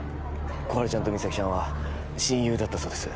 心春ちゃんと実咲ちゃんは親友だったそうです